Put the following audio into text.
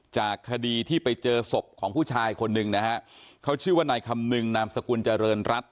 จากคดีที่ไปเจอศพของผู้ชายคนหนึ่งนะฮะเขาชื่อว่านายคำนึงนามสกุลเจริญรัฐ